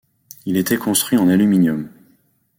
Il était construit en aluminium.